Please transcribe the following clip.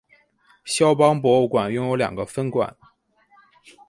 萧邦博物馆拥有两个分馆。